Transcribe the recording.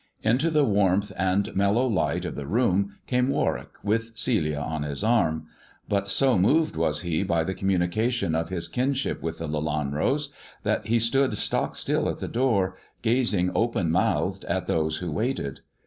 Into the warmth and mellow light of the room came Warwick, with Celia on his arm ; but so moved was he by the communication of his kinship with the Lelanros, that he stood stock still at the door, gazing open mouthed at those who waited.